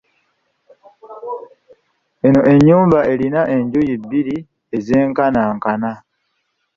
Eno ennyumba erina enjuyi bbiri ez'enkanankana.